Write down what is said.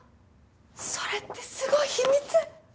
それってすごい秘密？